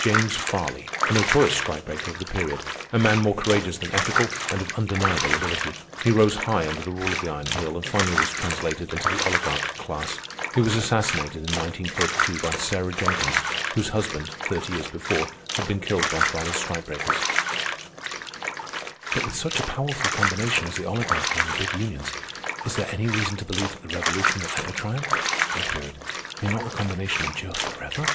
James Farley—a notorious strike breaker of the period. A man more courageous than ethical, and of undeniable ability. He rose high under the rule of the Iron Heel and finally was translated into the oligarch class. He was assassinated in 1932 by Sarah Jenkins, whose husband, thirty years before, had been killed by Farley's strike breakers. "But with such a powerful combination as the Oligarchy and the big unions, is there any reason to believe that the Revolution will ever triumph?" I queried. "May not the combination endure forever?"